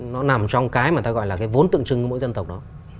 nó nằm trong cái mà ta gọi là cái vốn tượng trưng của mỗi dân tộc đó